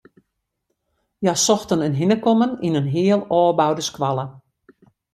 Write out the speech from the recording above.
Hja sochten in hinnekommen yn in heal ôfboude skoalle.